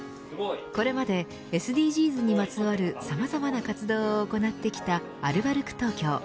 これまでＳＤＧｓにまつわるさまざまな活動を行ってきたアルバルク東京。